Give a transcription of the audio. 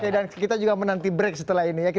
oke dan kita juga menanti break setelah ini ya